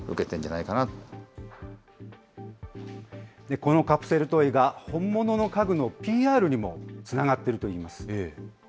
このカプセルトイが、本物の家具のＰＲにもつながっているといいます。